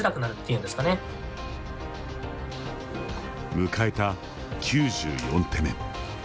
迎えた９４手目。